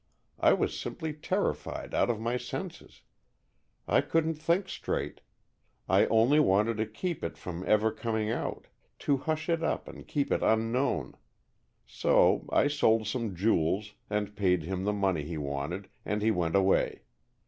I was simply terrified out of my senses. I couldn't think straight. I only wanted to keep it from ever coming out, to hush it up and keep it unknown. So I sold some jewels and paid him the money he wanted and he went away.